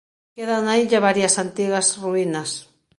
Quedan na illa varias antigas ruínas.